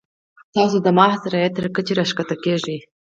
تاسو د محض رعیت تر کچې راښکته کیږئ.